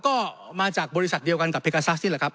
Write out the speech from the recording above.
ก็มาจากบริษัทเดียวกันกับเพกาซัสนี่แหละครับ